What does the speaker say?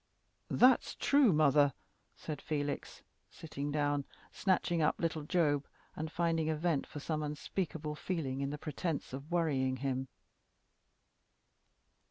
"That's true, mother," said Felix, sitting down, snatching up little Job, and finding a vent for some unspeakable feeling in the pretence of worrying him.